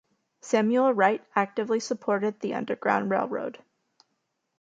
Samuel Wright, actively supported the Underground Railroad.